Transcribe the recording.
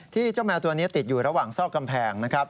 เจ้าแมวตัวนี้ติดอยู่ระหว่างซอกกำแพงนะครับ